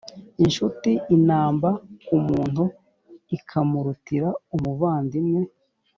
incuti inamba ku muntu ikamurutira umuvandimwe